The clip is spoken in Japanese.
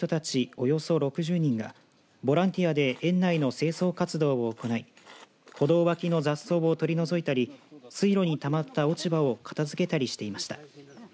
およそ６０人がボランティアで園内の清掃活動を行い歩道脇の雑草を取り除いたり水路にたまった落ち葉を片づけたりしていました。